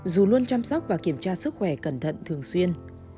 dù luôn chăm sóc và kiểm tra sức khỏe cẩn thận thường xuyên